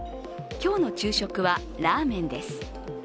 今日の昼食はラーメンです。